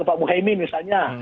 pak muhyemi misalnya